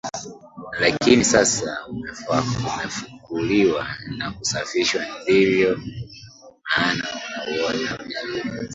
lakini sasa umefukuliwa na kusafishwa ndiyo maana unauona vizuri